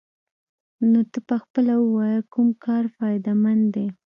نو ته پخپله ووايه کوم کار فايده مند دې.